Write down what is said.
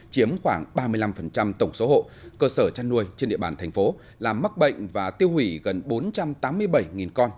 chiếm khoảng ba mươi năm tổng số hộ cơ sở chăn nuôi trên địa bàn thành phố làm mắc bệnh và tiêu hủy gần bốn trăm tám mươi bảy con